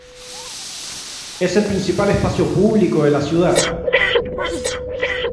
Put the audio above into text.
Es el principal espacio público de la ciudad.